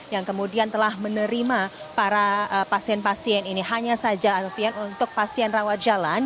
yang kemudian telah menerima para pasien pasien ini hanya saja alfian untuk pasien rawat jalan